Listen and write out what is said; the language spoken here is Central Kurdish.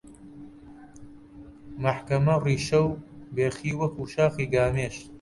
مەحکەمە ڕیشە و بێخی وەکوو شاخی گامێش